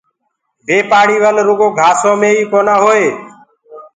بي پآڙيِ ول رُگو گھآسو مي ئي ڪونآ هئي۔